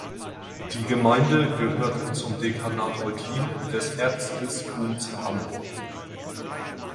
Die Gemeinde gehört zum Dekanat Eutin des Erzbistums Hamburg.